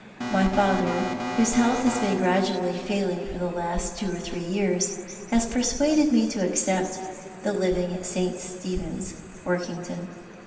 My father, whose health has been gradually failing for the last two or three years, has persuaded me to accept the living at St. Stephen's, Workington.